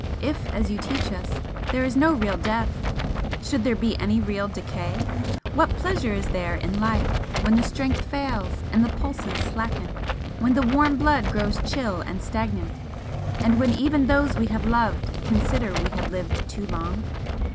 If, as you teach us, there is no real death, should there be any real decay? What pleasure is there in life when the strength fails and the pulses slacken when the warm blood grows chill and stagnant, and when even those we have loved consider we have lived too long?